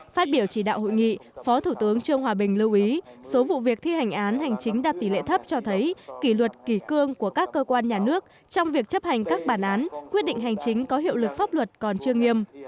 phát biểu chỉ đạo hội nghị phó thủ tướng trương hòa bình lưu ý số vụ việc thi hành án hành chính đạt tỷ lệ thấp cho thấy kỷ luật kỷ cương của các cơ quan nhà nước trong việc chấp hành các bản án quyết định hành chính có hiệu lực pháp luật còn chưa nghiêm